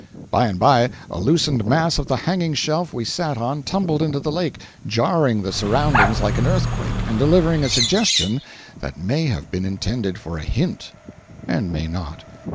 By and by, a loosened mass of the hanging shelf we sat on tumbled into the lake, jarring the surroundings like an earthquake and delivering a suggestion that may have been intended for a hint, and may not.